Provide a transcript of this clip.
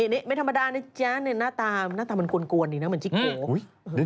นี่ไม่ธรรมดานะจ๊ะหน้าตามันกวนดีนะเหมือนชิคกี้พาย